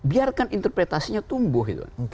biarkan interpretasinya tumbuh